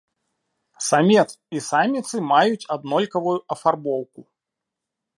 Самец і саміцы маюць аднолькавую афарбоўку.